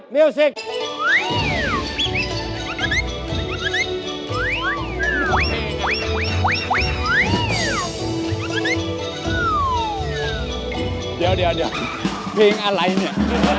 เดี๋ยวเดี๋ยวเดี๋ยวเพลงอะไรเนี่ย